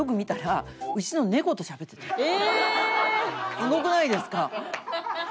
すごくないですか？